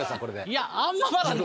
いやあんままだね